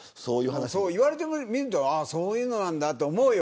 言われてみるとそういうのなんだと思うよ。